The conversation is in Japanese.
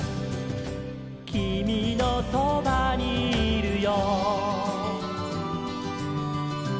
「きみのそばにいるよ」